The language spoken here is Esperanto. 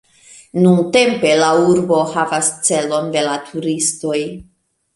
Nuntempe la urbo havas celon de la turistoj.